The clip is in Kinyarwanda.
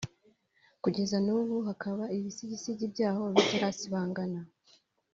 kugeza n'ubu hakaba ibisigisigi byaho bitarasibangana